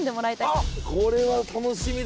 あっこれは楽しみですね。